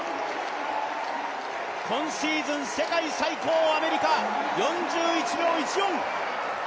今シーズン、世界最高アメリカ、４１秒１４。